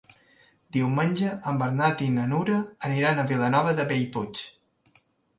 Diumenge en Bernat i na Nura aniran a Vilanova de Bellpuig.